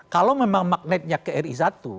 kalau memang magnetnya kri satu